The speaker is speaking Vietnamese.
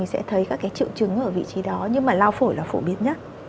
sẽ thấy các cái triệu chứng ở vị trí đó nhưng mà lao phổi là phổ biến nhất